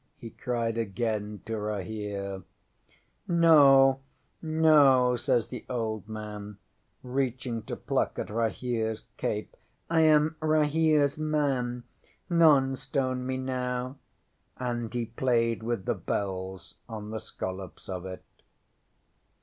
ŌĆØ he cried again to Rahere. ŌĆśŌĆ£No no, ŌĆØ says the old man, reaching to pluck at RahereŌĆÖs cape. ŌĆ£I am RahereŌĆÖs man. None stone me now, ŌĆØ and he played with the bells on the scollops of it.